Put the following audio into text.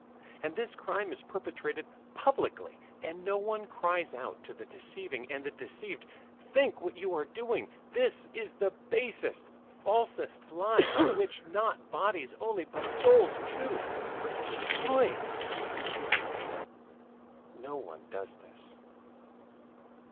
And this crime is perpetrated publicly and no one cries out to the deceiving and the deceived: "Think what you are doing; this is the basest, falsest lie, by which not bodies only, but souls too, are destroyed." No one does this.